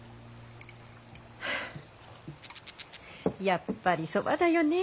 やっぱりそばだよね。